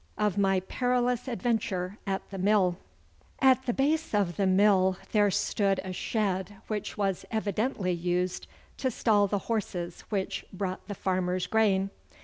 Of my Perilous Adventure at the Mill At the base of the mill there stood a shed which was evidently used to stall the horses which brought the farmers' grain.